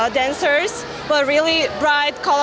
sangat berwarna berwarna